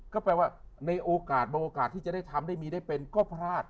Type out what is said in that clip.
ก็แปลว่าในโอกาสบางโอกาสที่จะได้ทำได้มีได้เป็นก็พลาด